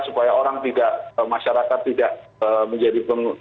supaya orang tidak masyarakat tidak menjadi